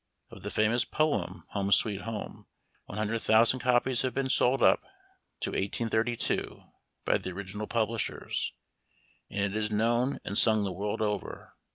Of the famous poem, "Home, Sweet Home," one hundred thousand copies had been sold up to 1832 by the original publishers, and it is known and sung the world over.